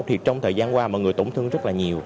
thì trong thời gian qua mọi người tổn thương rất là nhiều